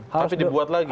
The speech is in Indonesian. tapi dibuat lagi